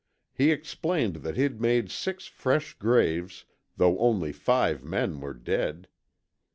He explained that he'd made six fresh graves, though only five men were dead.